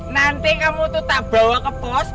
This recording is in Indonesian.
nanti kamu tuh tak bawa ke pos